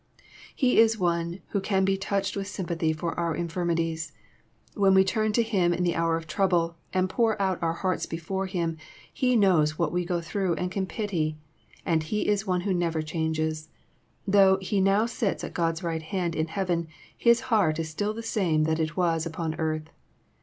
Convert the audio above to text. He is one who can be touched with sympathy for our infirmities. When we turn to Him in the hour of trouble, and pour out our hearts before Him, He knows what we go through and can pity. And He is One who never changes. Though He now sits at God's right hand in heaven. His heart is still the same that it was upon earth.